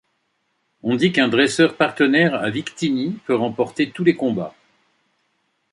On dit qu'un dresseur partenaire à Victini peut remporter tous les combats.